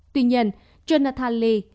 tuy nhiên jonathan lee